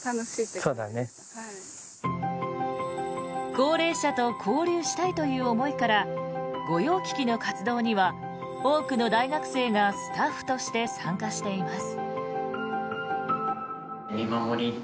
高齢者と交流したいという思いから御用聞きの活動には多くの大学生がスタッフとして参加しています。